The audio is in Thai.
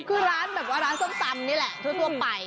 คือร้านแบบว่าร้านส้มตำนี่แหละทั่วไป